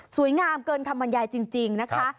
งามเกินคำบรรยายจริงนะคะ